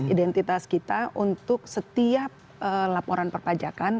identitas kita untuk setiap laporan perpajakan